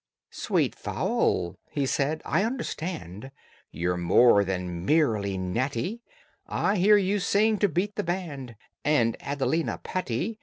"Sweet fowl," he said, "I understand You're more than merely natty, I hear you sing to beat the band And Adelina Patti.